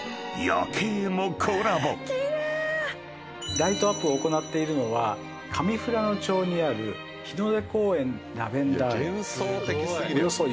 ライトアップを行っているのは上富良野町にある日の出公園ラベンダー園。